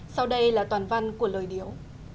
sau đây là toàn văn của lời điếu